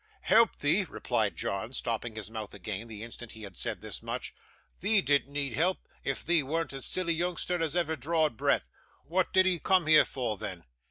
'Help thee!' replied John, stopping his mouth again, the instant he had said this much. 'Thee didn't need help, if thee warn't as silly yoongster as ever draw'd breath. Wa'at did 'ee come here for, then?